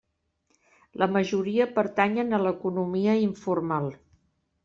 La majoria pertanyen a l'economia informal.